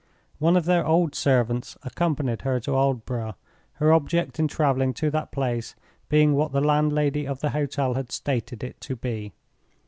One of their old servants accompanied her to Aldborough, her object in traveling to that place being what the landlady of the hotel had stated it to be.